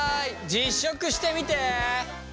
実食してみて！